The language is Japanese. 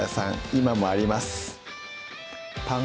今もあります